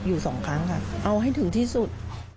อยู่สองครั้งค่ะเอาให้ถึงที่สุด